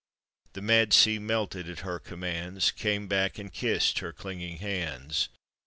" The mad sea melted at her command*. Came back and kissed her clinging hand*.